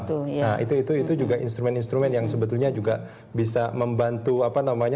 nah itu juga instrumen instrumen yang sebetulnya juga bisa membantu apa namanya